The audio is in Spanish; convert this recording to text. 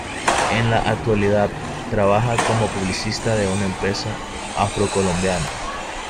En la actualidad, trabaja como publicista de una empresa afrocolombiana.